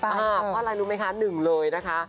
เพราะอะไรรู้ไหมคะหนึ่งเลยนะคะ